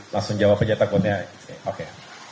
langsung jawab aja takutnya oke